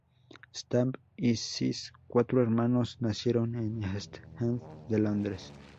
Stamp y sis cuatro hermanos nacieron en East End de Londres.